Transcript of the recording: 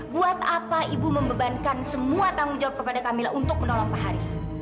buat apa ibu membebankan semua tanggung jawab kepada kami untuk menolong pak haris